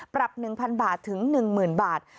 ปรับ๑๐๐บาทถึง๑๐๐๐บาท